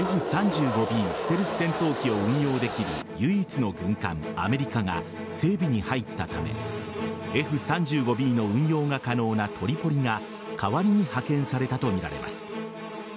ステルス戦闘機を運用できる唯一の軍艦「アメリカ」が整備に入ったためＦ‐３５Ｂの運用が可能な「トリポリ」が代わりに派遣されたとみられます。